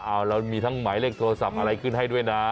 เอาเรามีทั้งหมายเลขโทรศัพท์อะไรขึ้นให้ด้วยนะ